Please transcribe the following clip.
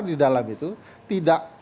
di dalam itu tidak